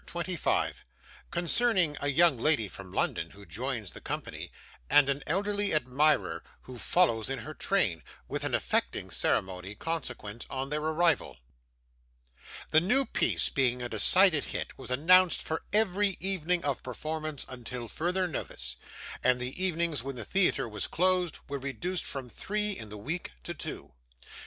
CHAPTER 25 Concerning a young Lady from London, who joins the Company, and an elderly Admirer who follows in her Train; with an affecting Ceremony consequent on their Arrival The new piece being a decided hit, was announced for every evening of performance until further notice, and the evenings when the theatre was closed, were reduced from three in the week to two.